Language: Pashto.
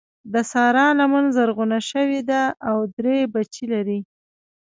د سارا لمن زرغونه شوې ده او درې بچي لري.